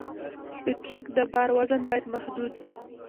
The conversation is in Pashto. د ټرک د بار وزن باید محدود وي.